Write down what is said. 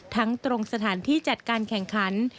ตรงสถานที่จัดการแข่งขัน